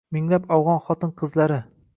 Minglab afgʻon oʻgʻil-qizlari